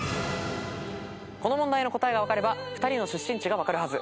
この問題の答えが分かれば２人の出身地が分かるはず。